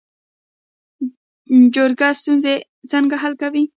جرګه ستونزې څنګه حل کوي؟